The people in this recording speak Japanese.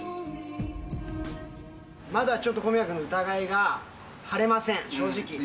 まだちょっと小宮君の疑いが晴れません、正直。